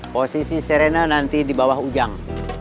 posisi serena nanti di bawah ujang